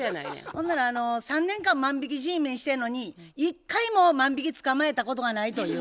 ほんならあの３年間万引きＧメンしてんのに一回も万引き捕まえたことがないという。